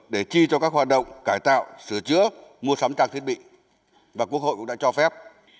để chi cho các hoạt động cải tạo sửa chữa mua sắm trang thiết bị và quốc hội cũng đã cho phép